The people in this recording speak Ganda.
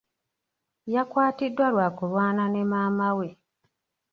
Yakwatiddwa lwa kulwana ne maama we.